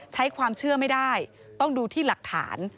ใช้ความเชื่อไม่ได้ต้องดูที่หลักฐาน